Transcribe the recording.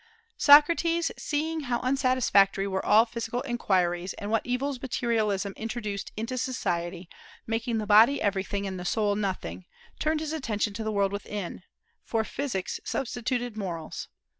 Socrates, seeing how unsatisfactory were all physical inquiries, and what evils materialism introduced into society, making the body everything and the soul nothing, turned his attention to the world within, and "for physics substituted morals."